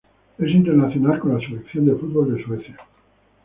Es internacional con la selección de fútbol de Suecia.